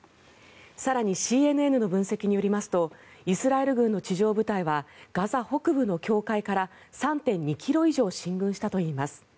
更に、ＣＮＮの分析によりますとイスラエル軍の地上部隊はガザ北部の境界から３．２ｋｍ以上進軍したといいます。